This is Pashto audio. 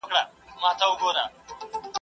پردی غم ..